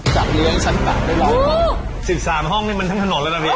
จากเรือนชั้นต่างด้วยร้านห้องสิบสามห้องนี่มันทั้งถนนแล้วตอนนี้